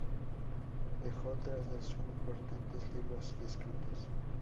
Dejó tras de sí importantes libros y escritos.